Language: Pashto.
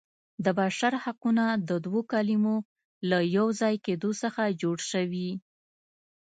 د بشر حقونه د دوو کلمو له یو ځای کیدو څخه جوړ شوي.